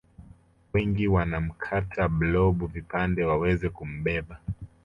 Wengi wanamkata blob vipande waweze kumbeba